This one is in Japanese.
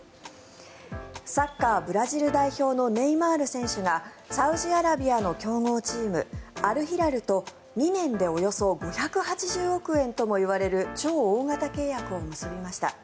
サッカーブラジル代表のネイマール選手がサウジアラビアの強豪チームアルヒラルと２年でおよそ５８０億円ともいわれる超大型契約を結びました。